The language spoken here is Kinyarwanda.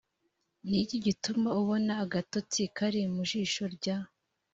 ni iki gituma ubona agatotsi kari mu jisho rya